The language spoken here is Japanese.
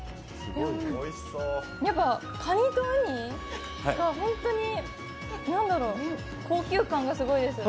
やっぱかにとうにが本当に何だろう、高級感がすごいです。